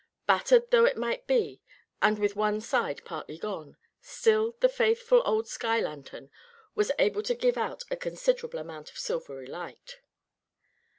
Battered though it might be, and with one side partly gone, still the faithful old sky lantern was able to give out a considerable amount of silvery light.